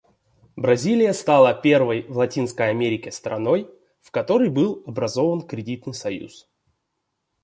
Бразилия стала первой в Латинской Америке страной, в которой был образован кредитный союз.